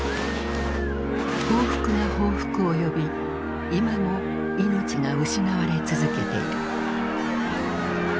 報復が報復を呼び今も命が失われ続けている。